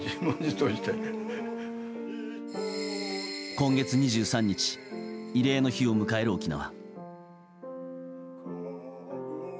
今月２３日慰霊の日を迎える沖縄。